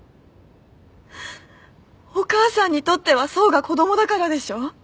お母さんにとっては想が子供だからでしょ？